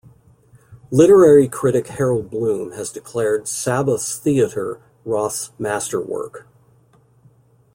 Literary critic Harold Bloom has declared "Sabbath's Theater" Roth's "masterwork.